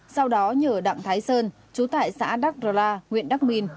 sau đó nhờ đặng thái sơn chú tại xã đắk rơ la nguyện đắk minh